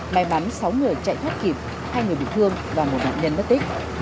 may mắn sáu người chạy thoát kịp hai người bị thương và một nạn nhân mất tích